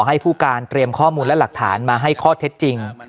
ให้ผู้การเตรียมข้อมูลและหลักฐานมาให้ข้อเท็จจริง